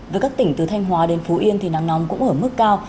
với các tỉnh từ thanh hóa đến phú yên thì nắng nóng cũng ở mức cao